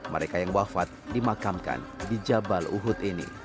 mereka yang wafat dimakamkan di jabal uhud ini